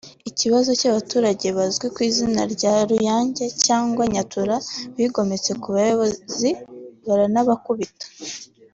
Ikibazo cy’abaturage bazwi ku izina rya “Uruyange” cyangwa “Nyatura” bigomeka ku bayobozi bakanabakubita